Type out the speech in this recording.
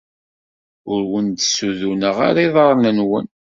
Ur wen-d-suduneɣ ara iḍaṛṛen-nwen.